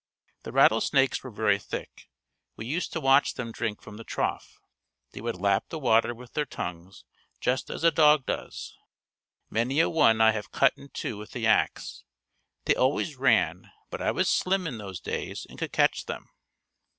The rattlesnakes were very thick. We used to watch them drink from the trough. They would lap the water with their tongues just as a dog does. Many a one I have cut in two with the ax. They always ran but I was slim in those days and could catch them.